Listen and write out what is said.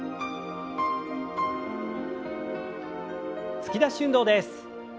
突き出し運動です。